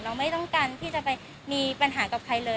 ไม่ต้องการที่จะไปมีปัญหากับใครเลย